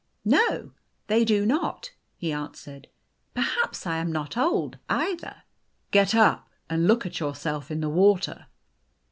"No, they do not," he answered. "Perhaps I am. not old either." " Get up and look at yourself in the water."